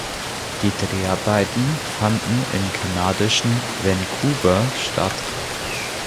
Die Dreharbeiten fanden im kanadischen Vancouver statt.